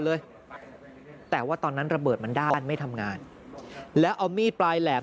เลยแต่ว่าตอนนั้นระเบิดมันด้านไม่ทำงานแล้วเอามีดปลายแหลม